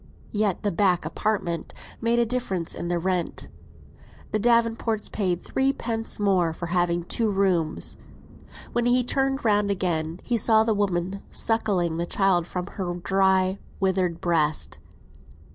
Yet the "back apartment" made a difference in the rent. The Davenports paid threepence more for having two rooms. When he turned round again, he saw the woman suckling the child from her dry, withered breast.